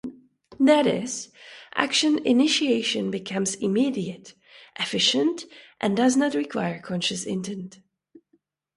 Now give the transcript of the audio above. That is, action initiation becomes immediate, efficient, and does not require conscious intent.